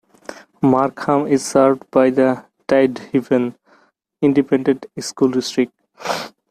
Markham is served by the Tidehaven Independent School District.